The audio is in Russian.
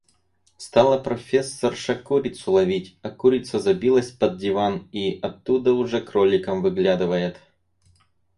Стала профессорша курицу ловить, а курица забилась под диван и оттуда уже кроликом выглядывает.